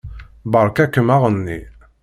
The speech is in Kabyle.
Beṛka-kem aɣenni.